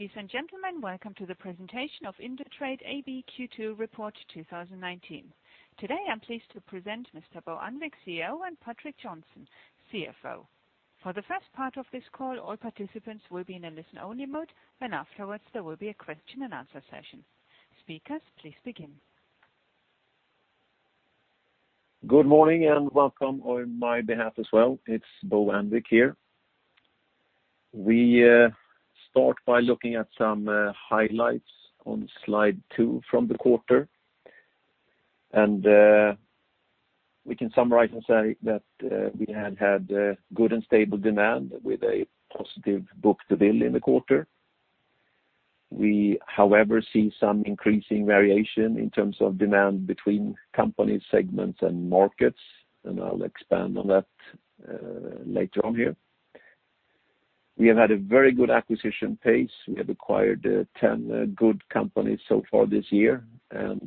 Ladies and gentlemen, welcome to the presentation of Indutrade AB Q2 report 2019. Today, I am pleased to present Mr. Bo Annvik, CEO, and Patrik Johnson, CFO. For the first part of this call, all participants will be in a listen-only mode, and afterwards, there will be a question and answer session. Speakers, please begin. Good morning. Welcome on my behalf as well. It's Bo Annvik here. We start by looking at some highlights on slide two from the quarter. We can summarize and say that we have had good and stable demand with a positive book-to-bill in the quarter. We, however, see some increasing variation in terms of demand between companies, segments, and markets, and I'll expand on that later on here. We have had a very good acquisition pace. We have acquired 10 good companies so far this year, and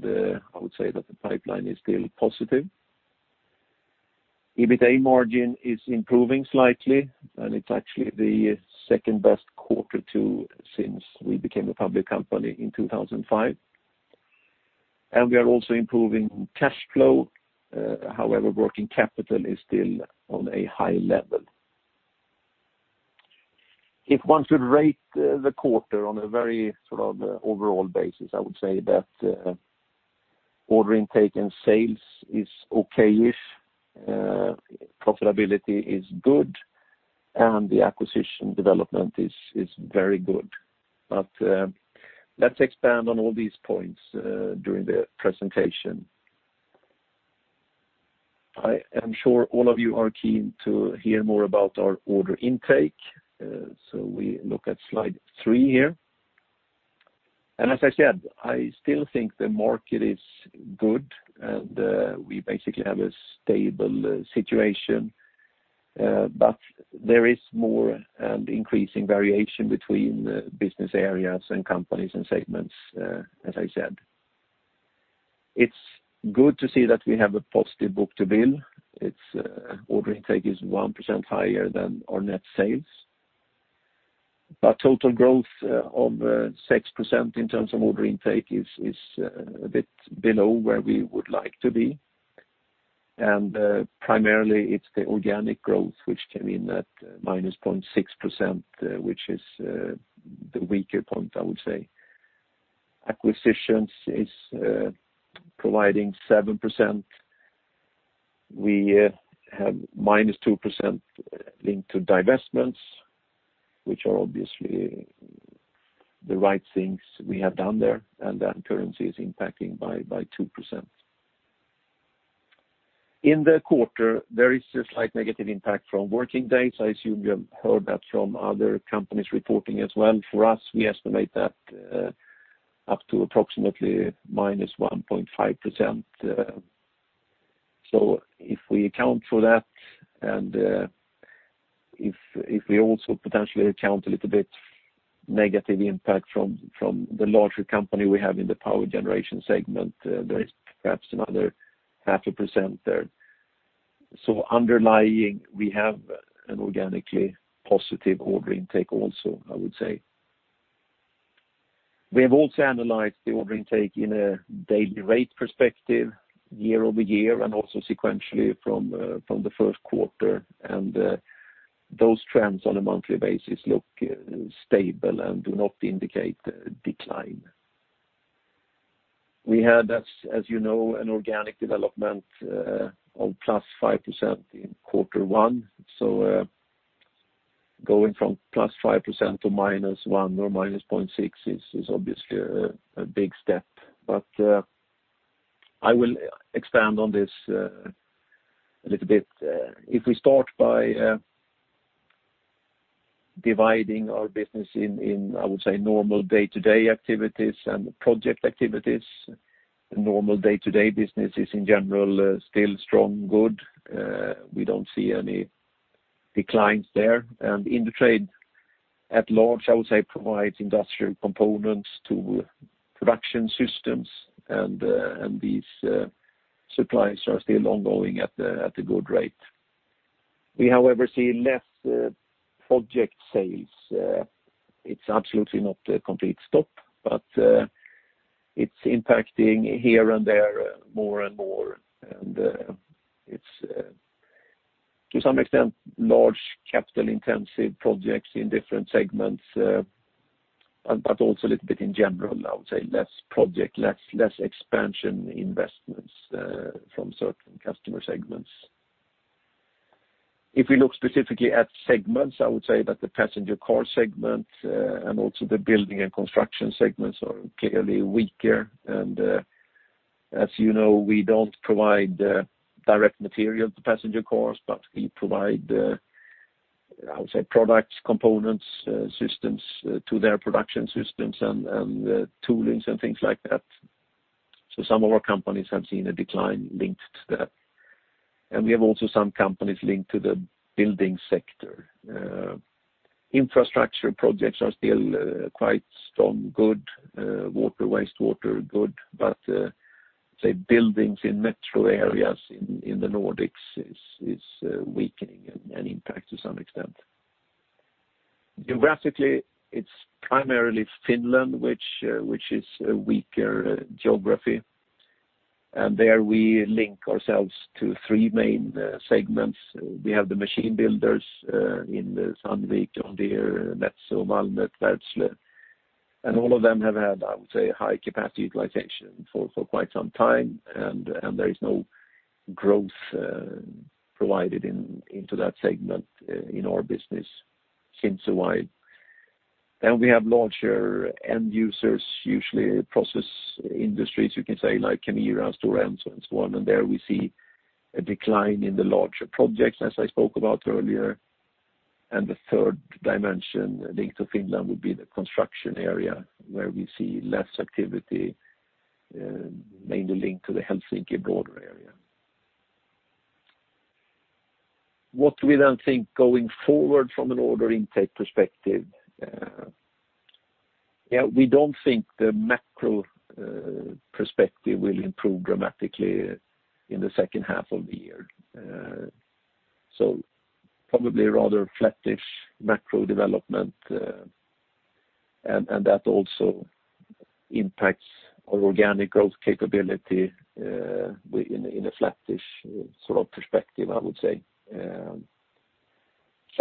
I would say that the pipeline is still positive. EBITDA margin is improving slightly, and it's actually the second-best quarter two since we became a public company in 2005. We are also improving cash flow. However, working capital is still on a high level. If one should rate the quarter on a very overall basis, I would say that order intake and sales is okay-ish, profitability is good, and the acquisition development is very good. Let's expand on all these points during the presentation. I am sure all of you are keen to hear more about our order intake. We look at slide three here. As I said, I still think the market is good and we basically have a stable situation, but there is more and increasing variation between business areas and companies and segments, as I said. It's good to see that we have a positive book-to-bill. Its order intake is 1% higher than our net sales. Total growth of 6% in terms of order intake is a bit below where we would like to be, and primarily it's the organic growth, which came in at -0.6%, which is the weaker point, I would say. Acquisitions is providing 7%. We have -2% linked to divestments, which are obviously the right things we have done there, and then currency is impacting by 2%. In the quarter, there is a slight negative impact from working days. I assume you have heard that from other companies reporting as well. For us, we estimate that up to approximately -1.5%. If we account for that, and if we also potentially account a little bit negative impact from the larger company we have in the power generation segment, there is perhaps another half a percent there. Underlying, we have an organically positive order intake also, I would say. We have also analyzed the order intake in a daily rate perspective year-over-year and also sequentially from the first quarter, and those trends on a monthly basis look stable and do not indicate a decline. We had, as you know, an organic development of +5% in quarter one. Going from +5% to -1 or -0.6 is obviously a big step. I will expand on this a little bit. We start by dividing our business in, I would say, normal day-to-day activities and project activities. Normal day-to-day business is in general still strong, good. We don't see any declines there. Indutrade at large, I would say, provides industrial components to production systems, and these supplies are still ongoing at a good rate. We, however, see less project sales. It's absolutely not a complete stop, but it's impacting here and there more and more, and it's to some extent large capital-intensive projects in different segments, also a little bit in general, I would say less project, less expansion investments from certain customer segments. We look specifically at segments, I would say that the passenger car segment and also the building and construction segments are clearly weaker. As you know, we don't provide direct material to passenger cars, but we provide, I would say, products, components, systems to their production systems and toolings and things like that. Some of our companies have seen a decline linked to that, and we have also some companies linked to the building sector. Infrastructure projects are still quite strong, good. Water, wastewater, good, but buildings in metro areas in the Nordics is weakening an impact to some extent. Geographically, it's primarily Finland, which is a weaker geography. There we link ourselves to three main segments. We have the machine builders in Sandvik, John Deere, Metso, Valmet, Wärtsilä,` and all of them have had, I would say, high capacity utilization for quite some time, and there is no growth provided into that segment in our business since a while. We have larger end users, usually process industries, you can say like Kemira, Stora Enso and so on, and there we see a decline in the larger projects as I spoke about earlier. The third dimension linked to Finland would be the construction area, where we see less activity, mainly linked to the Helsinki broader area. We then think going forward from an order intake perspective, we don't think the macro perspective will improve dramatically in the second half of the year. Probably a rather flattish macro development, and that also impacts our organic growth capability in a flattish sort of perspective, I would say.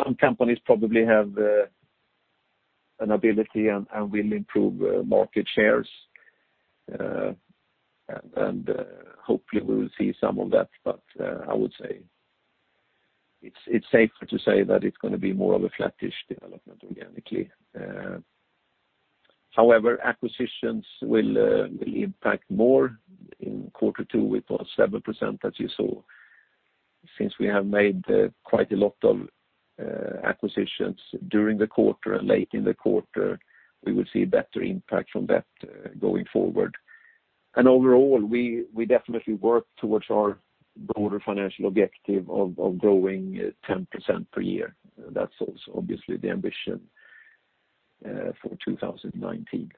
Some companies probably have an ability and will improve market shares, and hopefully we will see some of that. I would say, it's safer to say that it's going to be more of a flattish development organically. However, acquisitions will impact more in quarter two with the 7% that you saw. We have made quite a lot of acquisitions during the quarter and late in the quarter, we will see a better impact from that going forward. Overall, we definitely work towards our broader financial objective of growing 10% per year. That's also obviously the ambition for 2019.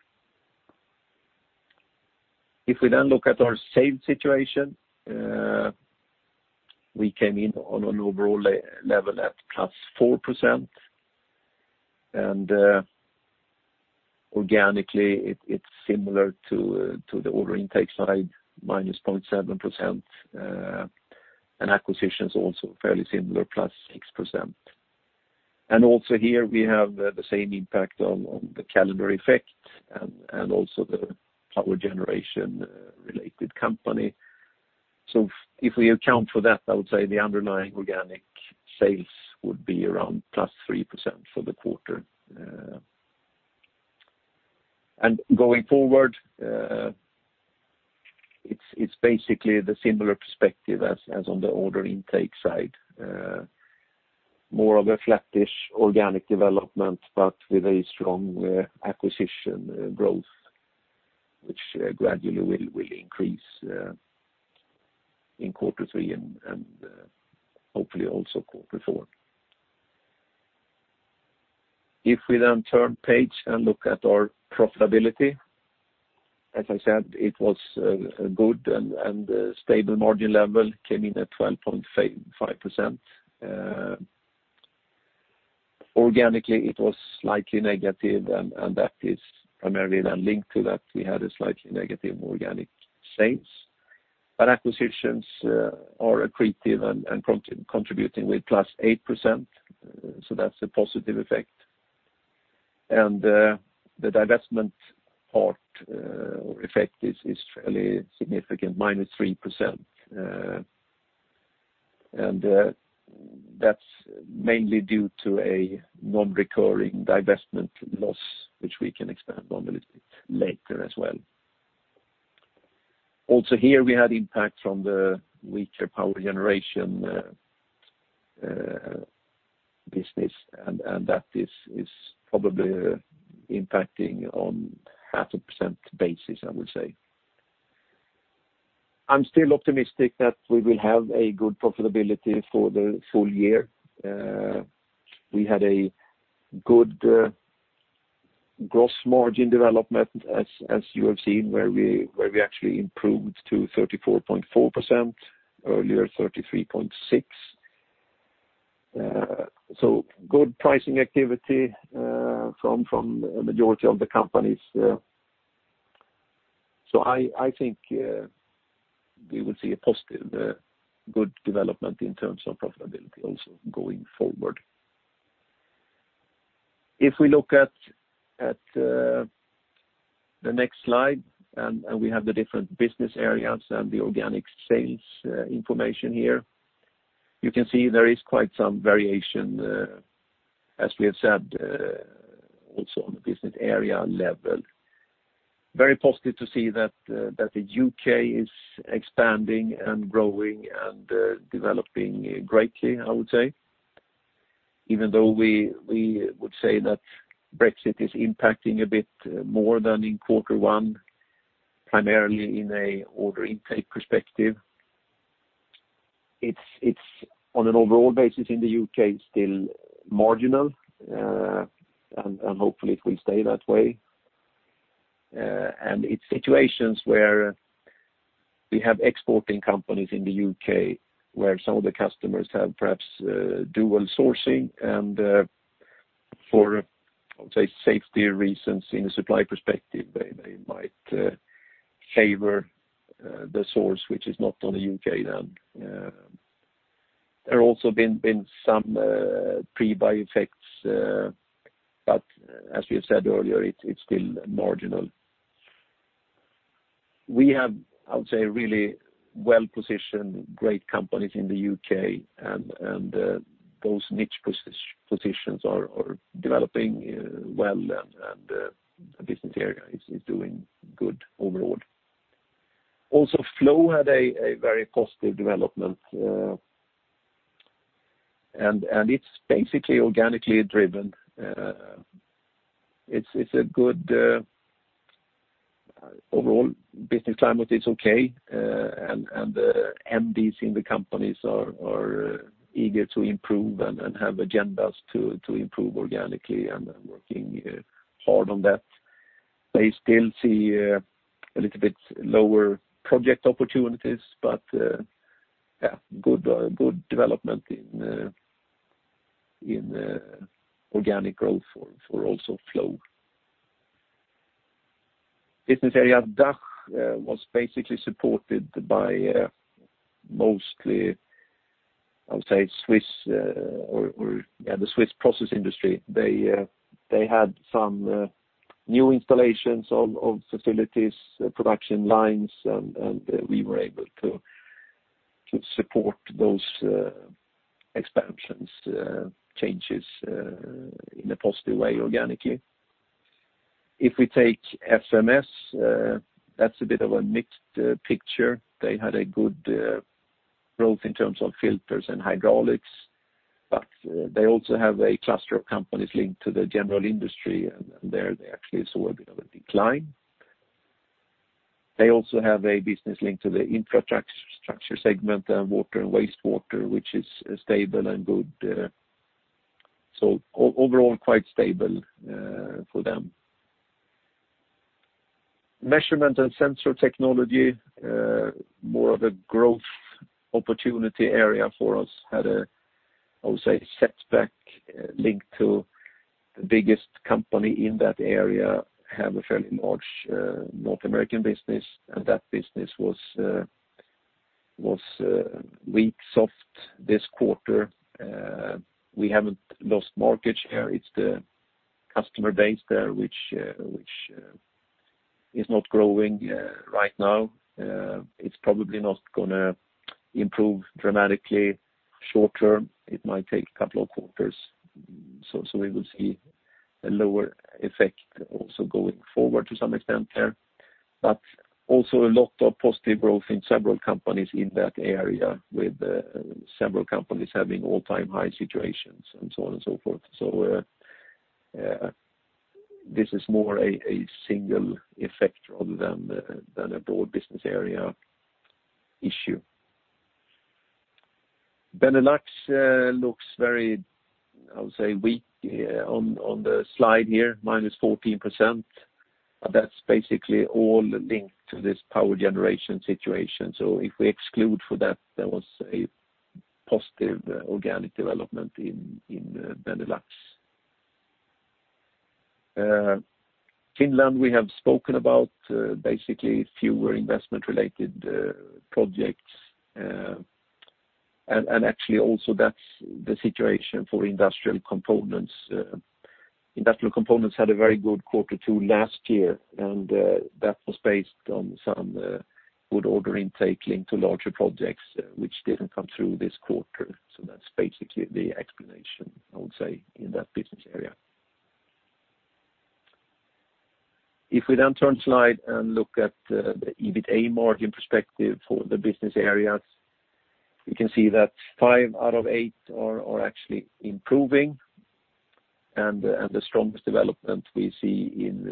If we then look at our sales situation, we came in on an overall level at +4%, and organically it's similar to the order intake side, -0.7%, and acquisitions also fairly similar, +6%. Also here we have the same impact on the calendar effect and also the power generation related company. If we account for that, I would say the underlying organic sales would be around +3% for the quarter. Going forward, it's basically the similar perspective as on the order intake side. More of a flattish organic development, but with a strong acquisition growth, which gradually will increase in quarter three and hopefully also quarter four. If we then turn page and look at our profitability, as I said, it was a good and stable margin level, came in at 12.5%. Organically, it was slightly negative, and that is primarily then linked to that we had a slightly negative organic sales. Acquisitions are accretive and contributing with +8%, That's a positive effect. The divestment part or effect is fairly significant, -3%. That's mainly due to a non-recurring divestment loss, which we can expand on a little bit later as well. Also here we had impact from the weaker power generation business, and that is probably impacting on half a percent basis, I would say. I'm still optimistic that we will have a good profitability for the full year. We had a good gross margin development, as you have seen, where we actually improved to 34.4%, earlier 33.6. Good pricing activity from a majority of the companies. I think we would see a positive, good development in terms of profitability also going forward. If we look at the next slide, and we have the different business areas and the organic sales information here. You can see there is quite some variation, as we have said, also on the business area level. Very positive to see that the U.K. is expanding and growing and developing greatly, I would say. Even though we would say that Brexit is impacting a bit more than in quarter one, primarily in a order intake perspective. It's on an overall basis in the U.K., still marginal, and hopefully it will stay that way. It's situations where we have exporting companies in the U.K. where some of the customers have perhaps dual sourcing, and for, I would say, safety reasons in a supply perspective, they might favor the source which is not on the U.K. then. There have also been some pre-buy effects, but as we have said earlier, it's still marginal. We have, I would say, really well-positioned, great companies in the U.K., and those niche positions are developing well, and the business area is doing good overall. Also, Flow had a very positive development, and it's basically organically driven. Overall, business climate is okay, and the MDs in the companies are eager to improve and have agendas to improve organically, and are working hard on that. They still see a little bit lower project opportunities, but good development in organic growth for also Flow. Business area DACH was basically supported by mostly, I would say, the Swiss process industry. They had some new installations of facilities, production lines, and we were able to support those expansions, changes, in a positive way organically. If we take FMS, that's a bit of a mixed picture. They had a good growth in terms of filters and hydraulics, but they also have a cluster of companies linked to the general industry, and there they actually saw a bit of a decline. They also have a business link to the infrastructure segment, water and wastewater, which is stable and good. Overall, quite stable for them. Measurement & Sensor Technology, more of a growth opportunity area for us, had a, I would say, setback linked to the biggest company in that area, have a fairly large North American business, and that business was weak, soft this quarter. We haven't lost market share. It's the customer base there which is not growing right now. It's probably not going to improve dramatically short-term. It might take a couple of quarters. We will see a lower effect also going forward to some extent there. Also a lot of positive growth in several companies in that area, with several companies having all-time high situations and so on and so forth. This is more a single effect rather than a broad business area issue. Benelux looks very, I would say, weak on the slide here, -14%, but that's basically all linked to this power generation situation. If we exclude for that, there was a positive organic development in Benelux. Finland, we have spoken about basically fewer investment-related projects. Actually, also, that's the situation for Industrial Components. Industrial Components had a very good quarter two last year, and that was based on some good order intake linked to larger projects, which didn't come through this quarter. That's basically the explanation, I would say, in that business area. If we turn slide and look at the EBITDA margin perspective for the business areas, we can see that five out of eight are actually improving, and the strongest development we see in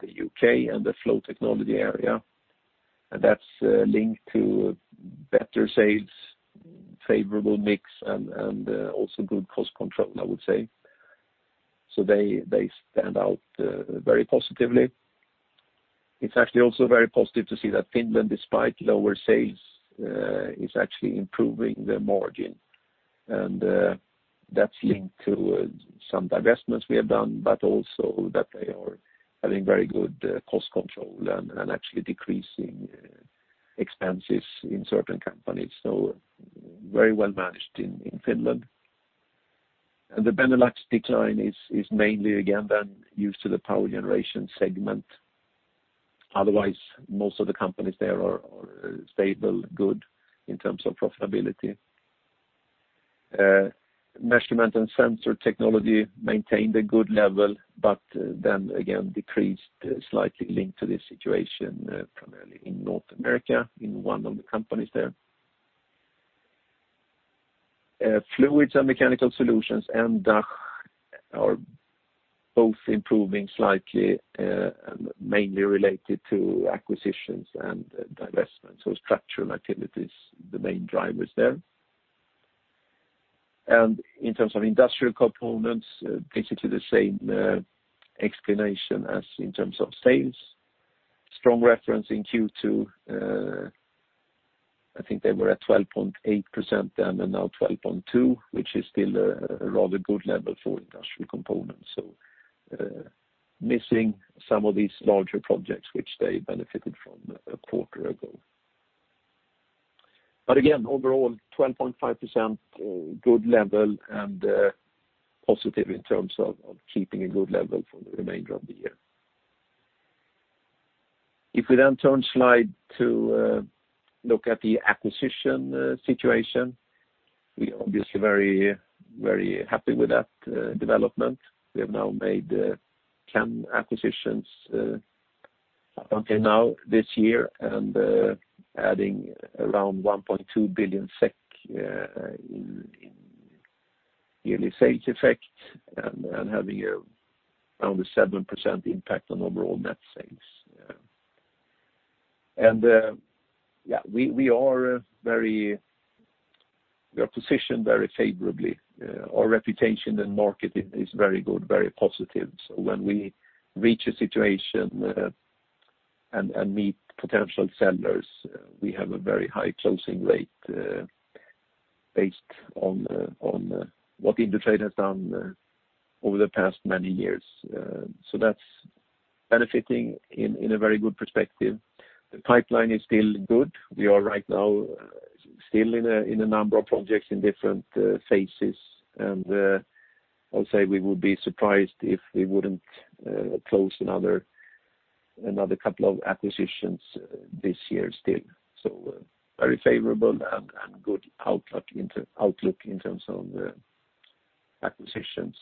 the U.K. and the Flow Technology area. That's linked to better sales, favorable mix, and also good cost control, I would say. They stand out very positively. It's actually also very positive to see that Finland, despite lower sales, is actually improving their margin. That's linked to some divestments we have done, but also that they are having very good cost control and actually decreasing expenses in certain companies, so very well managed in Finland. The Benelux decline is mainly, again, used to the power generation segment. Otherwise, most of the companies there are stable, good in terms of profitability. Measurement & Sensor Technology maintained a good level, again decreased slightly linked to this situation primarily in North America, in one of the companies there. Fluids & Mechanical Solutions and DACH are both improving slightly, mainly related to acquisitions and divestments. Structural activities, the main drivers there. In terms of Industrial Components, basically the same explanation as in terms of sales. Strong reference in Q2. I think they were at 12.8% then, and now 12.2%, which is still a rather good level for Industrial Components. Missing some of these larger projects which they benefited from a quarter ago. Again, overall, 12.5% good level and positive in terms of keeping a good level for the remainder of the year. If we turn slide to look at the acquisition situation, we are obviously very happy with that development. We have now made 10 acquisitions up until now this year, and adding around 1.2 billion SEK in yearly sales effect and having around a 7% impact on overall net sales. We are positioned very favorably. Our reputation in the market is very good, very positive. When we reach a situation and meet potential sellers, we have a very high closing rate based on what Indutrade has done over the past many years. That's benefiting in a very good perspective. The pipeline is still good. We are right now still in a number of projects in different phases, and I'll say we would be surprised if we wouldn't close another couple of acquisitions this year still. Very favorable and good outlook in terms of the acquisitions.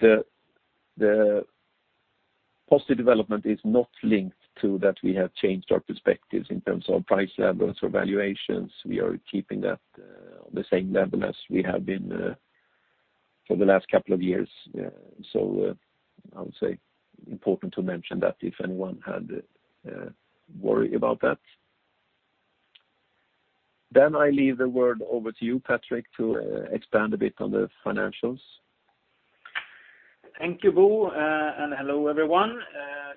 The positive development is not linked to that we have changed our perspectives in terms of price levels or valuations. We are keeping that on the same level as we have been for the last couple of years. I would say important to mention that if anyone had worry about that. I leave the word over to you, Patrik, to expand a bit on the financials. Thank you, Bo, and hello, everyone.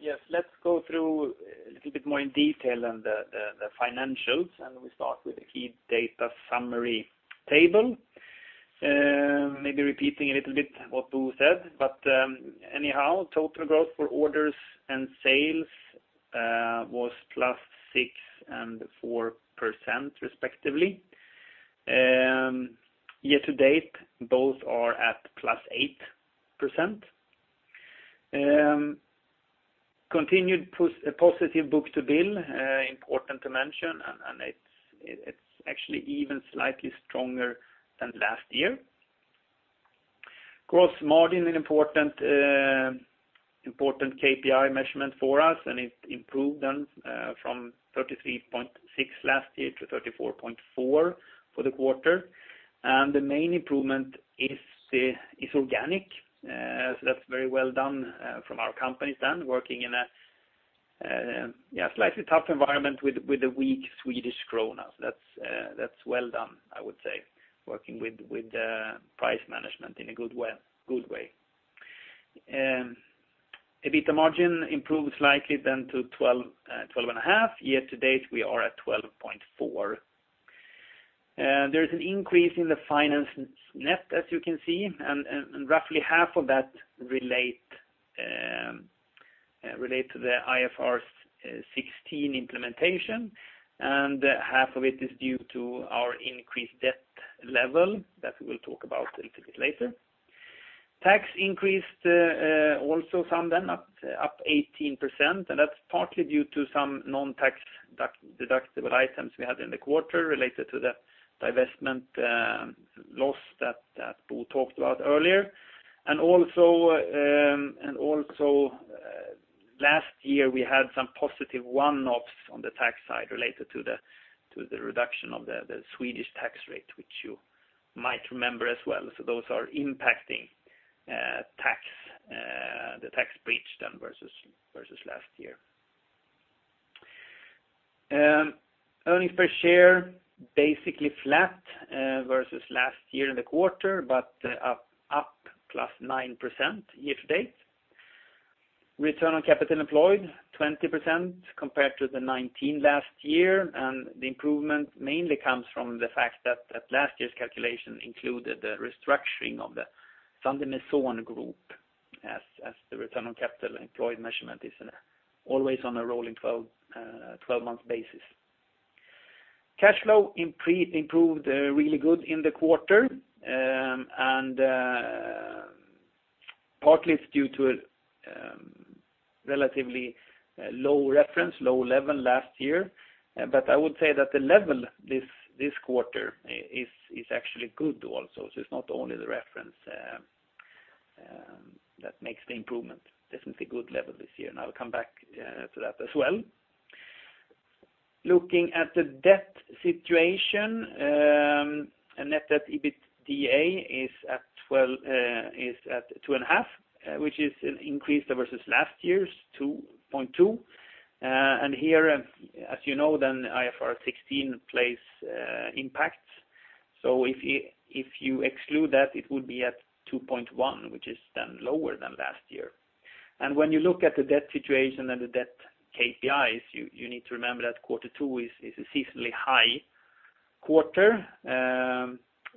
Yes, let's go through a little bit more in detail on the financials, and we start with the key data summary table. Maybe repeating a little bit what Bo said, but anyhow, total growth for orders and sales was +6% and 4%, respectively. Year to date, both are at +8%. Continued positive book-to-bill, important to mention, and it's actually even slightly stronger than last year. Gross margin, an important KPI measurement for us, and it improved from 33.6% last year to 34.4% for the quarter. The main improvement is organic. That's very well done from our companies then working in a slightly tough environment with the weak Swedish krona. That's well done, I would say, working with the price management in a good way. EBITDA margin improved slightly then to 12.5%. Year to date, we are at 12.4%. There's an increase in the finance net, as you can see, and roughly half of that relate to the IFRS 16 implementation, and half of it is due to our increased debt level that we'll talk about a little bit later. Tax increased also some then, up 18%. That's partly due to some non-tax deductible items we had in the quarter related to the divestment loss that Bo talked about earlier. Also last year, we had some positive one-offs on the tax side related to the reduction of the Swedish tax rate, which you might remember as well. Those are impacting the tax breach then versus last year. Earnings per share, basically flat versus last year in the quarter, but up +9% year to date. Return on capital employed, 20% compared to the 19% last year, the improvement mainly comes from the fact that last year's calculation included the restructuring of the Sander Meson group, as the return on capital employed measurement is always on a rolling 12-month basis. Cash flow improved really good in the quarter, partly it's due to a relatively low level last year. I would say that the level this quarter is actually good also. It's not only the reference that makes the improvement. This is a good level this year, I'll come back to that as well. Looking at the debt situation, a net debt EBITDA is at 2.5, which is increased versus last year's 2.2. Here, as you know, IFRS 16 plays impact. If you exclude that, it would be at 2.1, which is lower than last year. When you look at the debt situation and the debt KPIs, you need to remember that quarter two is a seasonally high quarter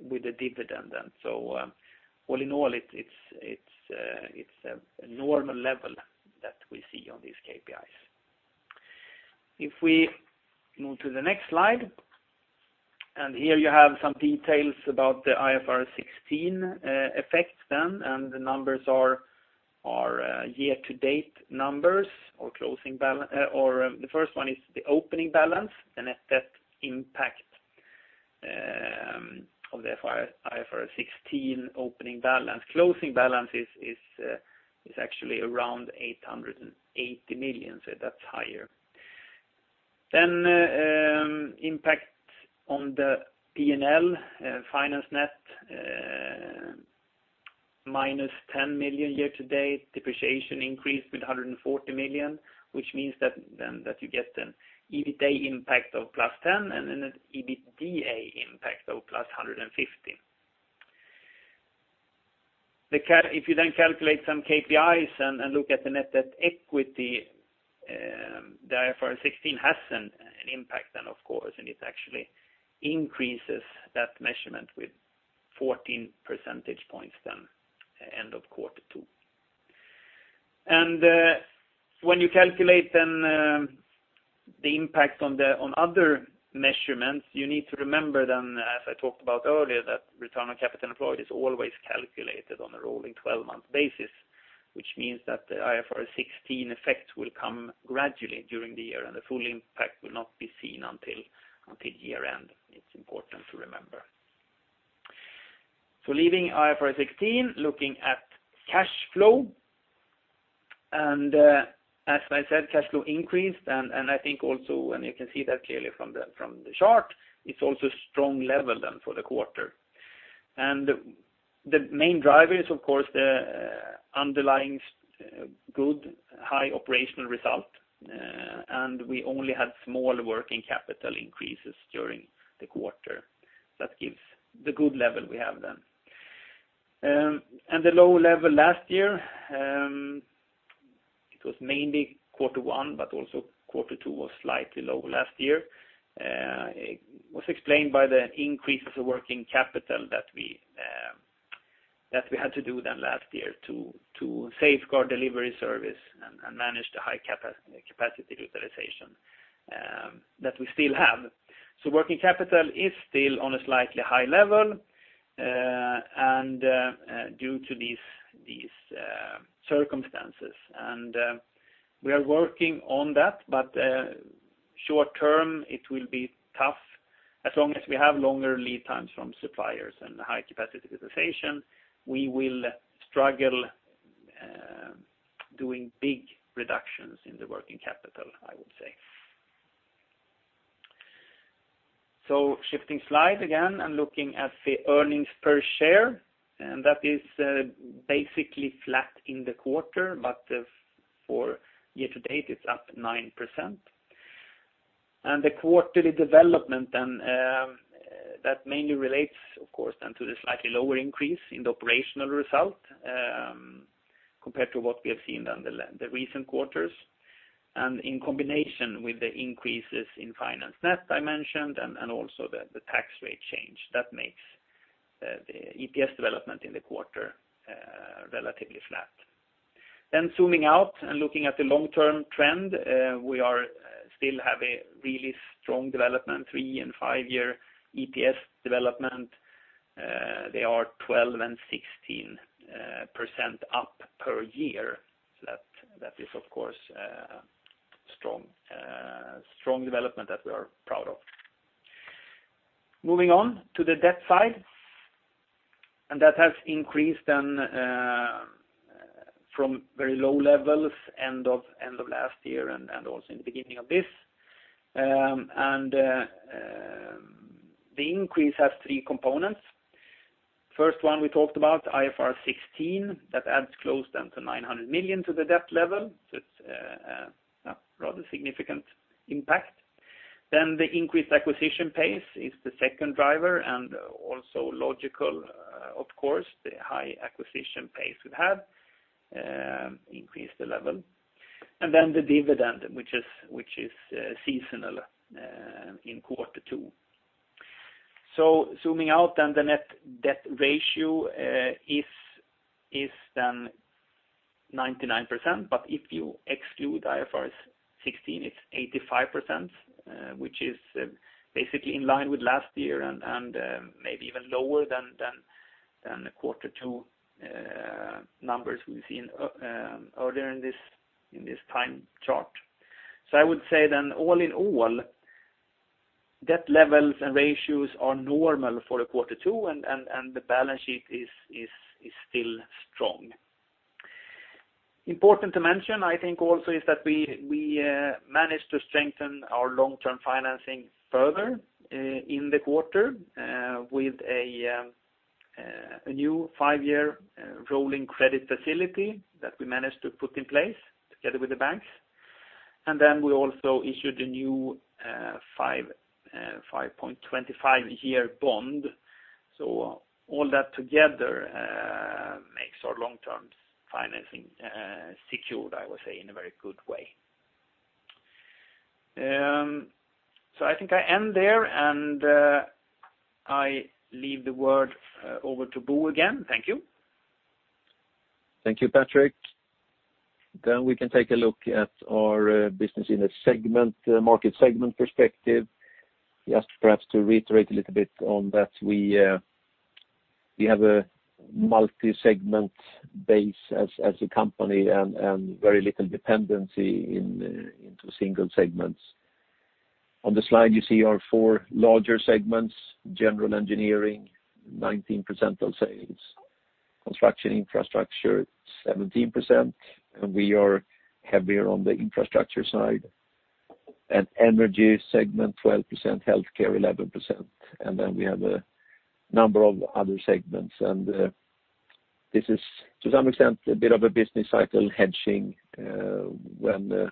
with the dividend. All in all, it's a normal level that we see on these KPIs. We move to the next slide, here you have some details about the IFRS 16 effects, the numbers are year-to-date numbers or the first one is the opening balance, the net debt impact of the IFRS 16 opening balance. Closing balance is actually around 880 million, that's higher. Impact on the P&L, finance net minus 10 million year to date, depreciation increased with 140 million, which means that you get an EBIT impact of plus 10 and an EBITDA impact of plus 150. You calculate some KPIs and look at the net debt equity, the IFRS 16 has an impact, of course, it actually increases that measurement with 14 percentage points end of quarter two. When you calculate the impact on other measurements, you need to remember, as I talked about earlier, that return on capital employed is always calculated on a rolling 12-month basis, which means that the IFRS 16 effect will come gradually during the year, the full impact will not be seen until year-end. It's important to remember. Leaving IFRS 16, looking at cash flow, as I said, cash flow increased, I think also, you can see that clearly from the chart, it's also strong level for the quarter. The main driver is, of course, the underlying good high operational result, we only had small working capital increases during the quarter. That gives the good level we have. The low level last year, it was mainly quarter one, but also quarter two was slightly low last year. It was explained by the increases of working capital that we had to do last year to safeguard delivery service and manage the high capacity utilization that we still have. Working capital is still on a slightly high level due to these circumstances. We are working on that, but short-term, it will be tough. As long as we have longer lead times from suppliers and high capacity utilization, we will struggle doing big reductions in the working capital, I would say. Shifting slide again and looking at the earnings per share, that is basically flat in the quarter, but for year to date, it's up 9%. The quarterly development then, that mainly relates, of course, then to the slightly lower increase in the operational result compared to what we have seen on the recent quarters. In combination with the increases in finance net I mentioned and also the tax rate change, that makes the EPS development in the quarter relatively flat. Zooming out and looking at the long-term trend, we still have a really strong development, three and five-year EPS development. They are 12% and 16% up per year. That is, of course, a strong development that we are proud of. Moving on to the debt side, that has increased then from very low levels end of last year and also in the beginning of this. The increase has three components. The first one we talked about, IFRS 16, adds close then to 900 million to the debt level. It's a rather significant impact. The increased acquisition pace is the second driver and also logical, of course. The high acquisition pace we have increased the level. The dividend, which is seasonal in quarter two. Zooming out then, the net debt ratio is then 99%, but if you exclude IFRS 16, it's 85%, which is basically in line with last year and maybe even lower than the quarter two numbers we've seen earlier in this time chart. I would say then all in all, debt levels and ratios are normal for a quarter two, and the balance sheet is still strong. Important to mention, I think also is that we managed to strengthen our long-term financing further in the quarter with a new five-year rolling credit facility that we managed to put in place together with the banks. We also issued a new 5.25-year bond. All that together makes our long-term financing secured, I would say, in a very good way. I think I end there and I leave the word over to Bo again. Thank you. Thank you, Patrik. We can take a look at our business in a market segment perspective. Just perhaps to reiterate a little bit on that we have a multi-segment base as a company and very little dependency into single segments. On the slide, you see our four larger segments, general engineering, 19% of sales, construction infrastructure, 17%, and we are heavier on the infrastructure side. Energy segment, 12%, healthcare, 11%. We have a number of other segments. This is to some extent, a bit of a business cycle hedging. When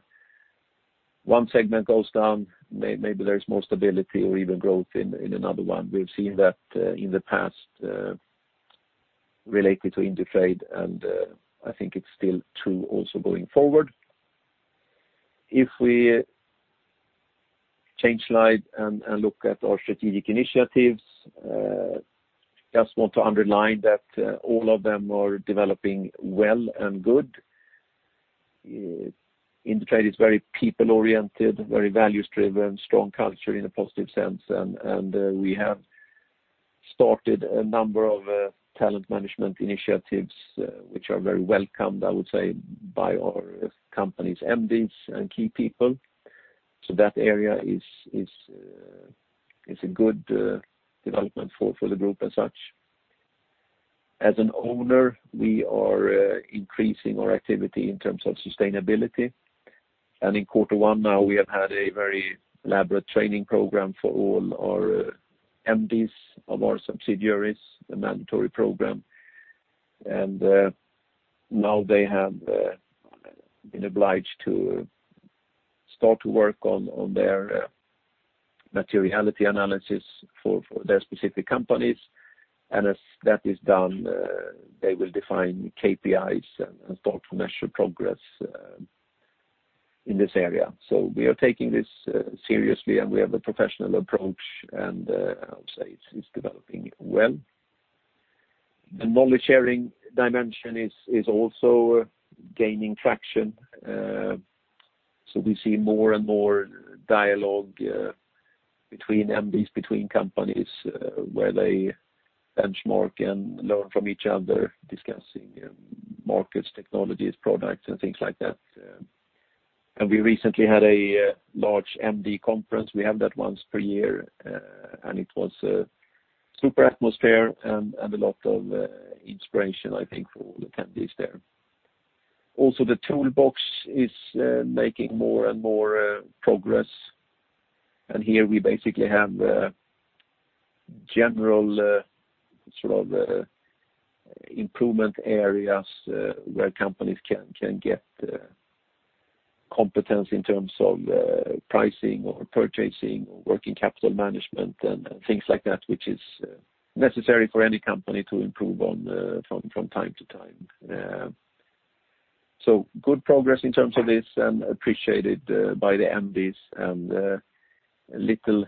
one segment goes down, maybe there is more stability or even growth in another one. We've seen that in the past related to Indutrade, and I think it's still true also going forward. If we change slide and look at our strategic initiatives, just want to underline that all of them are developing well and good. Indutrade is very people oriented, very values driven, strong culture in a positive sense, and we have started a number of talent management initiatives which are very welcomed, I would say, by our company's MDs and key people. That area is a good development for the group as such. As an owner, we are increasing our activity in terms of sustainability. In quarter one now, we have had a very elaborate training program for all our MDs of our subsidiaries, a mandatory program. Now they have been obliged to start to work on their materiality analysis for their specific companies. As that is done, they will define KPIs and start to measure progress in this area. We are taking this seriously, and we have a professional approach, and I would say it's developing well. The knowledge-sharing dimension is also gaining traction. We see more and more dialogue between MDs, between companies where they benchmark and learn from each other, discussing markets, technologies, products, and things like that. We recently had a large MD conference. We have that once per year, and it was a super atmosphere and a lot of inspiration, I think, for all the attendees there. Also, the toolbox is making more and more progress, and here we basically have general improvement areas where companies can get competence in terms of pricing or purchasing or working capital management and things like that, which is necessary for any company to improve on from time to time. Good progress in terms of this and appreciated by the MDs and a little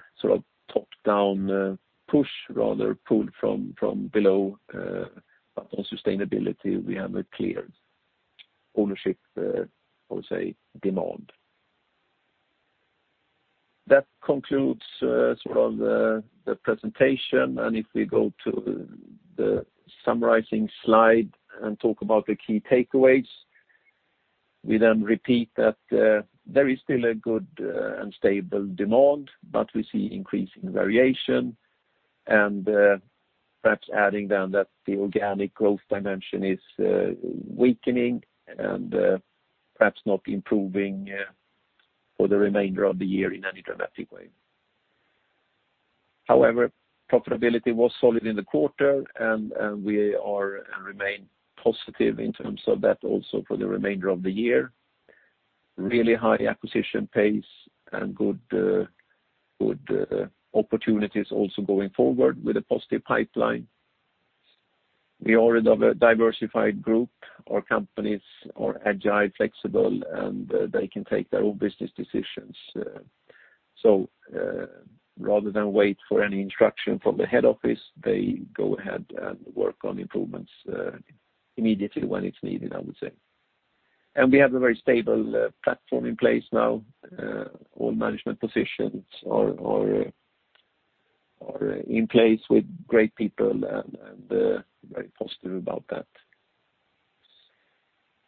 top-down push rather pull from below. On sustainability, we have a clear ownership, I would say demand. That concludes the presentation, and if we go to the summarizing slide and talk about the key takeaways, we then repeat that there is still a good and stable demand, but we see increasing variation and perhaps adding then that the organic growth dimension is weakening and perhaps not improving for the remainder of the year in any dramatic way. However, profitability was solid in the quarter, and we are and remain positive in terms of that also for the remainder of the year. Really high acquisition pace and good opportunities also going forward with a positive pipeline. We already have a diversified group. Our companies are agile, flexible, and they can take their own business decisions. Rather than wait for any instruction from the head office, they go ahead and work on improvements immediately when it's needed, I would say. We have a very stable platform in place now. All management positions are in place with great people and very positive about that.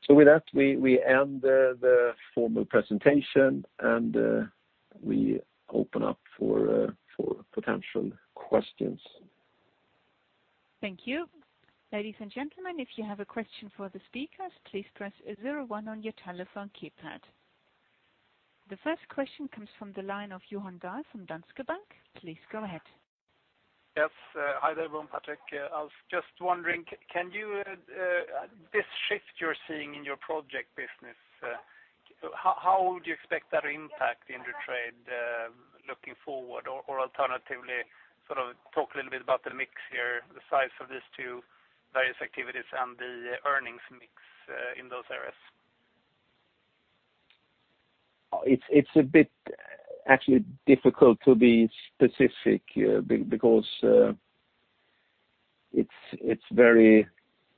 So with that, we end the formal presentation, and we open up for potential questions. Thank you. Ladies and gentlemen, if you have a question for the speakers, please press zero one on your telephone keypad. The first question comes from the line of Johan Dahl from Danske Bank. Please go ahead. Yes. Hi there, Bo and Patrik. I was just wondering, this shift you're seeing in your project business, how would you expect that to impact Indutrade looking forward? Alternatively, talk a little bit about the mix here, the size of these two various activities and the earnings mix in those areas. It's a bit actually difficult to be specific because it's very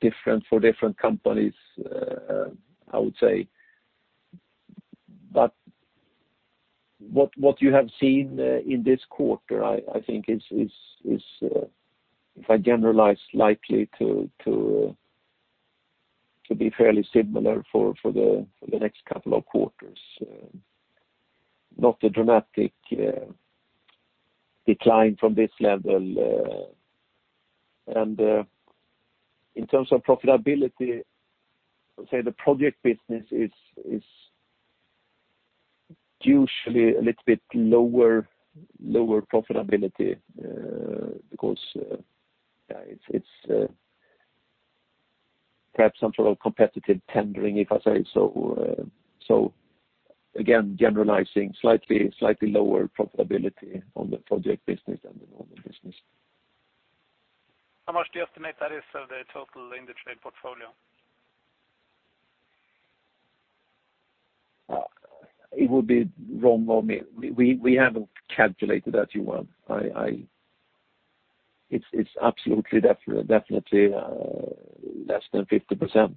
different for different companies, I would say. What you have seen in this quarter, I think if I generalize, likely to be fairly similar for the next couple of quarters. Not a dramatic decline from this level. In terms of profitability, I would say the project business is usually a little bit lower profitability because it's perhaps some sort of competitive tendering, if I say so. Again, generalizing, slightly lower profitability on the project business than the normal business. How much do you estimate that is of the total Indutrade portfolio? It would be wrong of me. We haven't calculated that you want. It's absolutely definitely less than 50%.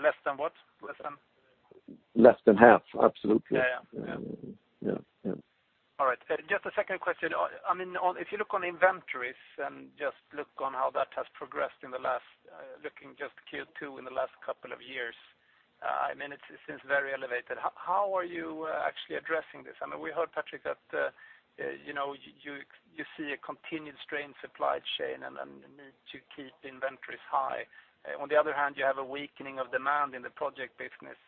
Less than what? Less than half. Absolutely. Yeah. Yeah. All right. Just a second question. If you look on inventories and just look on how that has progressed, looking just Q2 in the last couple of years, it seems very elevated. How are you actually addressing this? We heard, Patrik, that you see a continued strain supply chain and a need to keep inventories high. On the other hand, you have a weakening of demand in the project business.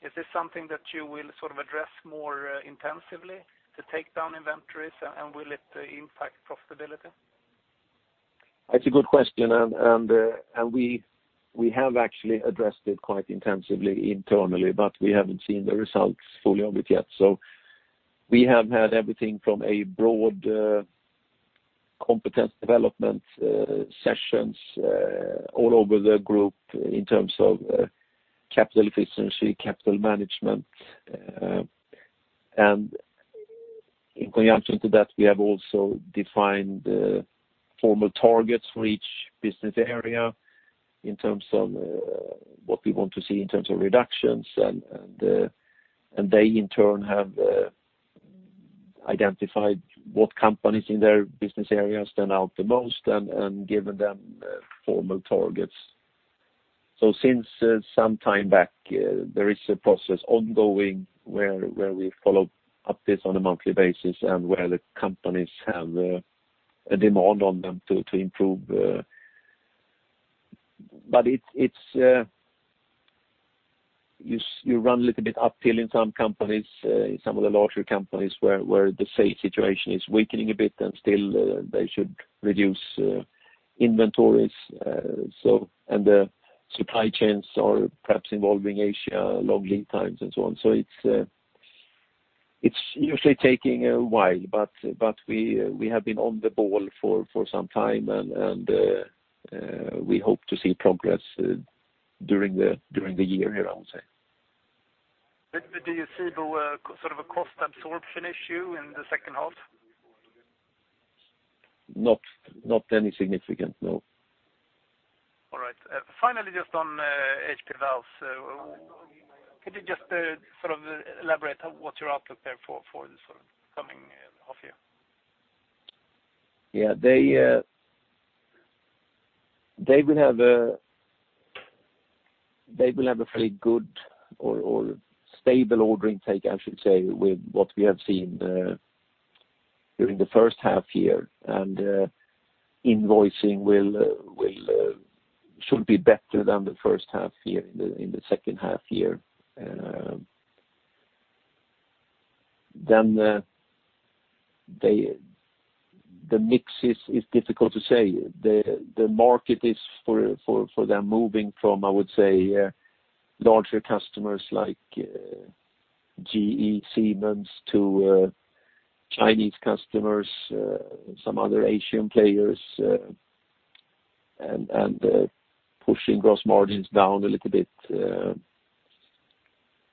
Is this something that you will address more intensively to take down inventories, and will it impact profitability? That's a good question. We have actually addressed it quite intensively internally, but we haven't seen the results fully of it yet. We have had everything from a broad competence development sessions all over the group in terms of capital efficiency, capital management. In conjunction to that, we have also defined formal targets for each business area in terms of what we want to see in terms of reductions, and they in turn have identified what companies in their business areas stand out the most and given them formal targets. Since some time back, there is a process ongoing where we follow up this on a monthly basis and where the companies have a demand on them to improve. You run a little bit uphill in some companies, some of the larger companies, where the sales situation is weakening a bit and still they should reduce inventories. The supply chains are perhaps involving Asia, long lead times, and so on. It's usually taking a while, but we have been on the ball for some time, and we hope to see progress during the year here, I would say. Do you see a cost absorption issue in the second half? Not any significant, no. All right. Finally, just on HP Valves, could you just elaborate on what your outlook there for this coming half year? They will have a fairly good or stable ordering take, I should say, with what we have seen during the first half year, and invoicing should be better than the first half year in the second half year. The mix is difficult to say. The market is, for them, moving from, I would say, larger customers like GE, Siemens, to Chinese customers, some other Asian players, and pushing gross margins down a little bit.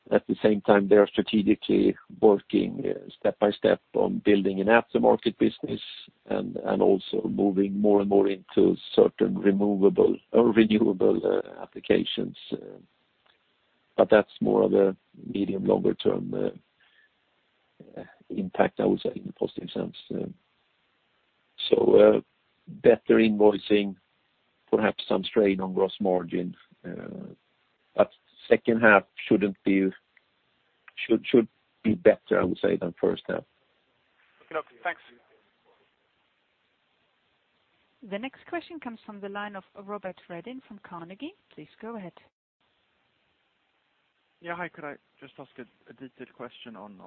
At the same time, they are strategically working step by step on building an aftermarket business and also moving more and more into certain renewable applications. That's more of a medium, longer-term impact, I would say, in a positive sense. Better invoicing, perhaps some strain on gross margin. Second half should be better, I would say, than first half. Okay. Thanks. The next question comes from the line of Robert Redin from Carnegie. Please go ahead. Yeah. Hi. Could I just ask a detailed question on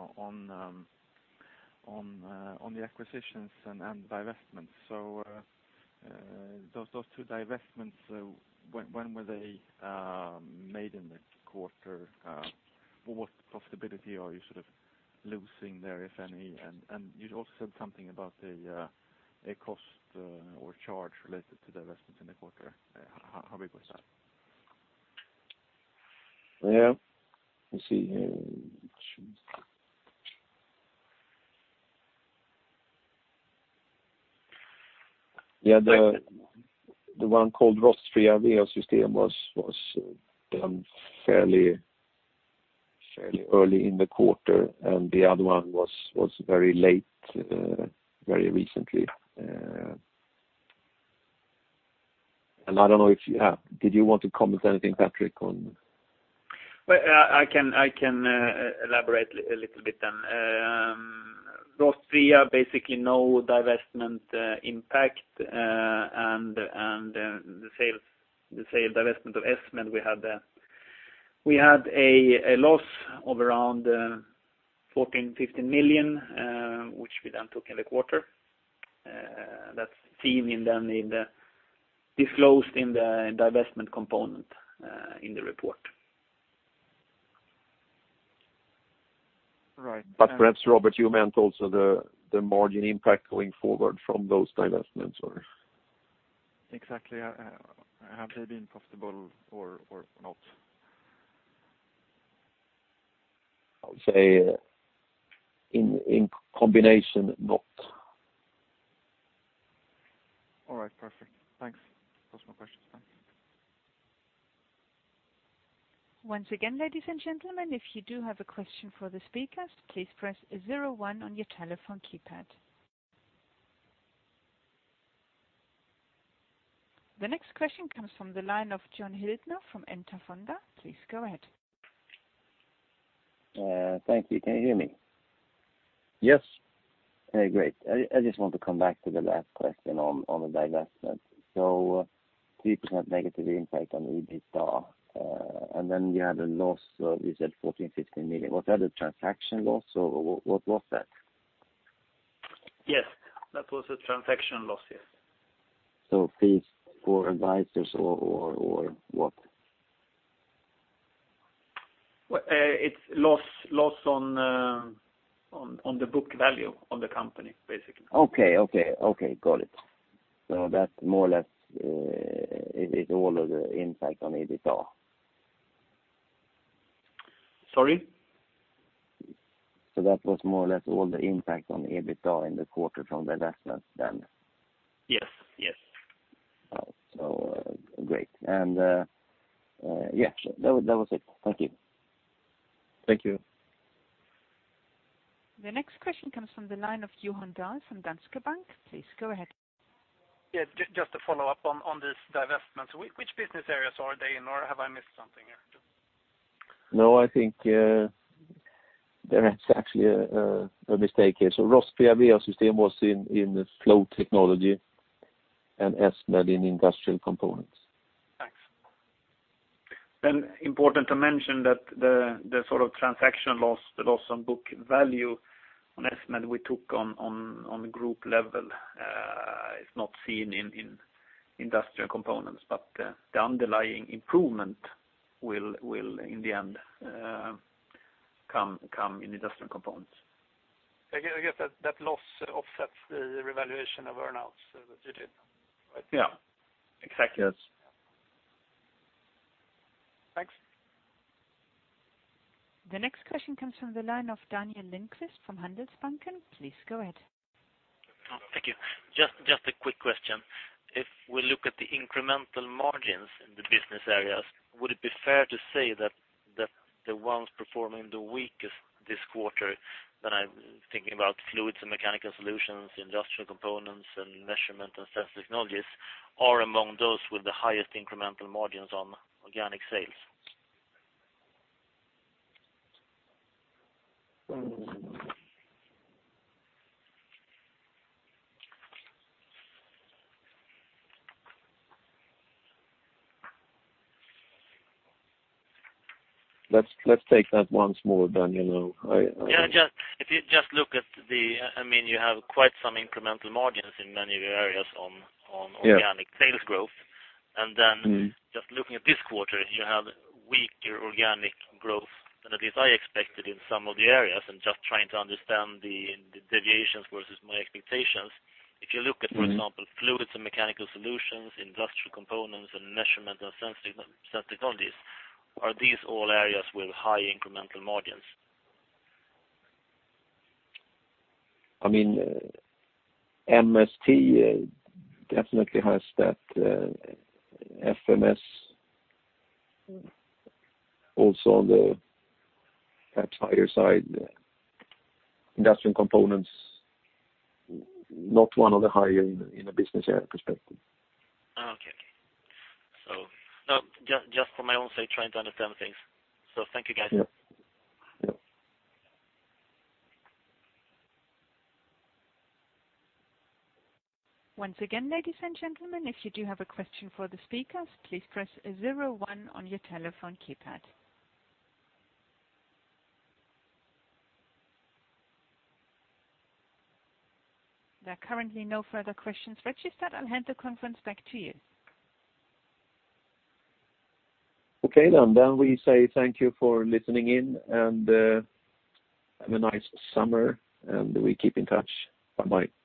the acquisitions and divestments? Those two divestments, when were they made in the quarter? What profitability are you losing there, if any? You also said something about a cost or charge related to the investments in the quarter. How big was that? Let's see here. The one called Rostfria VA-system was done fairly early in the quarter, the other one was very late, very recently. I don't know. Did you want to comment anything, Patrik, on? Well, I can elaborate a little bit then. Rostfria, basically no divestment impact, the sale divestment of EssMed, we had a loss of around 14, 15 million, which we then took in the quarter. That's seen in the disclosed divestment component in the report. Right. Perhaps, Robert, you meant also the margin impact going forward from those divestments, or? Exactly. Have they been profitable or not? I would say in combination, not. All right, perfect. Thanks. That was my questions. Thanks. Once again, ladies and gentlemen, if you do have a question for the speakers, please press zero one on your telephone keypad. The next question comes from the line of Jon Hyltner from Enter Fonder. Please go ahead. Thank you. Can you hear me? Yes. Hey, great. I just want to come back to the last question on the divestment. 3% negative impact on the EBITDA, you had a loss, you said 14 million, 15 million. Was that a transaction loss? What was that? Yes. That was a transaction loss, yes. Fees for advisors or what? It's loss on the book value of the company, basically. Okay. Got it. That's more or less, is it all of the impact on EBITDA? Sorry? That was more or less all the impact on EBITDA in the quarter from the divestment then? Yes. Great. Yeah, that was it. Thank you. Thank you. The next question comes from the line of Johan Dahl from Danske Bank. Please go ahead. Just to follow up on this divestment. Which business areas are they in or have I missed something here too? I think there is actually a mistake here. Rostfria VA-system was in the Flow Technology and EssMed in Industrial Components. Thanks. Important to mention that the sort of transaction loss, the loss on book value on EssMed we took on the group level. It's not seen in Industrial Components, but the underlying improvement will, in the end, come in Industrial Components. I get that loss offsets the revaluation of earn-outs that you did, right? Yeah. Exactly it is. Thanks. The next question comes from the line of Daniel Lindkvist from Handelsbanken. Please go ahead. Thank you. Just a quick question. If we look at the incremental margins in the business areas, would it be fair to say that the ones performing the weakest this quarter, then I'm thinking about Fluids & Mechanical Solutions, Industrial Components, and Measurement & Sensor Technology are among those with the highest incremental margins on organic sales? Let's take that once more, Daniel. Yeah, if you just look at. You have quite some incremental margins in many areas on organic sales growth. Then just looking at this quarter, you have weaker organic growth than at least I expected in some of the areas, and just trying to understand the deviations versus my expectations. If you look at, for example, Fluids & Mechanical Solutions, Industrial Components, and Measurement & Sensor Technology, are these all areas with high incremental margins? MST definitely has that. FMS also on the perhaps higher side. Industrial Components, not one of the higher in a business area perspective. Okay. Just from my own side, trying to understand things. Thank you, guys. Yep. Once again, ladies and gentlemen, if you do have a question for the speakers, please press zero one on your telephone keypad. There are currently no further questions registered. I'll hand the conference back to you. Okay. We say thank you for listening in, and have a nice summer, and we keep in touch. Bye-bye.